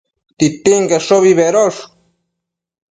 Titinqueshobi bedosh